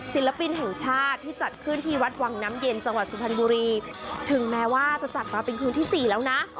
ศิลปินแห่งชาติที่จัดขึ้นที่วัดวังน้ำเย็นจังหวัดสุพรรณบุรีถึงแม้ว่าจะจัดมาเป็นคืนที่สี่แล้วนะ